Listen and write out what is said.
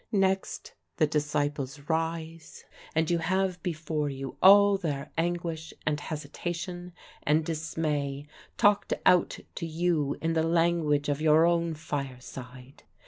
Next the disciples rise, and you have before you all their anguish, and hesitation, and dismay talked out to you in the language of your own fireside.